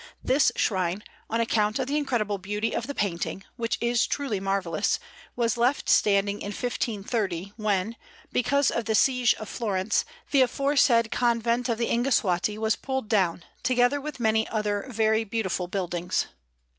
This shrine, on account of the incredible beauty of the painting, which is truly marvellous, was left standing in 1530, when, because of the siege of Florence, the aforesaid Convent of the Ingesuati was pulled down, together with many other very beautiful buildings.